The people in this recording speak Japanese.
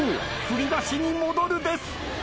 「振り出しに戻る」です。